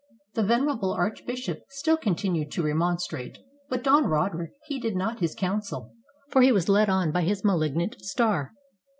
The venerable archbishop still continued to remon strate, but Don Roderick heeded not his counsel, for he was led on by his malignant star.